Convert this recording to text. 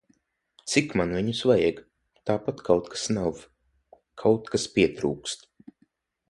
Cik man viņus vajag? Tāpat kaut kas nav, kaut kas pietrūkst.